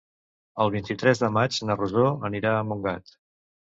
El vint-i-tres de maig na Rosó anirà a Montgat.